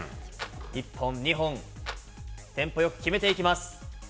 １本、２本、テンポよく決めていきます。